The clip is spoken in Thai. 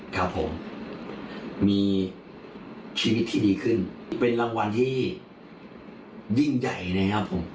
ครับผมมีชีวิตที่ดีขึ้นเป็นรางวัลที่ยิ่งใหญ่นะครับผม